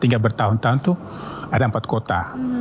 sehingga bertahun tahun itu ada empat kota